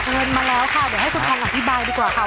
เชิญมาแล้วค่ะเดี๋ยวให้คุณทองอธิบายดีกว่าค่ะ